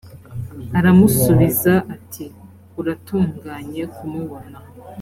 aramusubiza ati uratunganye kumubona